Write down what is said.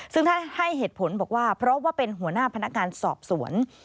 ซึ่งท่านให้เหตุผลบอกว่าเพราะว่าเป็นหัวหน้าพนักงานสอบสวน